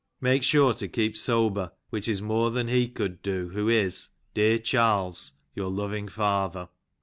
Make sure to keep sober, which is more than he cou'd do who is, dear Charles, your loving Father."